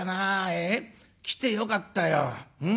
ええ？来てよかったようん。